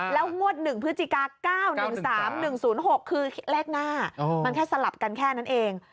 แล้วงวด๑พฤศจิกา๙๑๓๑๐๖คือเลขหน้ามันแค่สลับกันแค่นั้นเอง